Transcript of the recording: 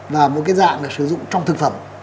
và một cái dạng là sử dụng trong công nghiệp